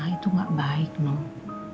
itu nggak baik nung